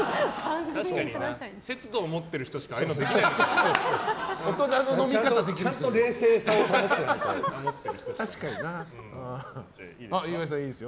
節度を持っている人しかああいうのはできないです。